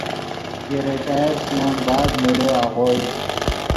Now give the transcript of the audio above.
ژے ریٹائر ݰویان بعد مولو آغوئے